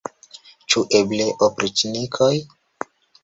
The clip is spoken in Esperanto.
Ĉu eble opriĉnikoj?